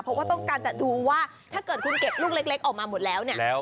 เพราะว่าต้องการจะดูว่าถ้าเกิดคุณเก็บลูกเล็กออกมาหมดแล้วเนี่ย